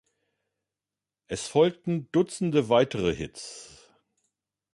Es folgten Dutzende weitere Hits.